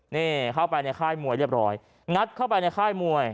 นี่เข้าไปในค่ายมวยเรียบร้อยงัดเข้าไปในค่ายมวย